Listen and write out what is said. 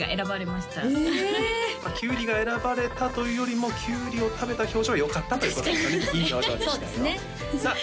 まあキュウリが選ばれたというよりもキュウリを食べた表情がよかったということでしょうねいい表情でしたよ